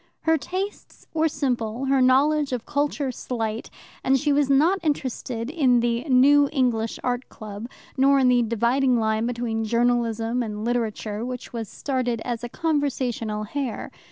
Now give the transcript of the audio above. Her tastes were simple, her knowledge of culture slight, and she was not interested in the New English Art Club, nor in the dividing line between Journalism and Literature, which was started as a conversational hare.